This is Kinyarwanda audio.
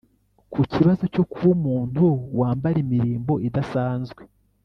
Ku kibazo cyo kuba umuntu wambara imirimbo idasanzwe